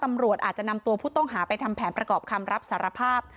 ตำรวจอาจจะนำตัวผู้ต้องหาไปทำแผนประกอบคำรับสารภาพ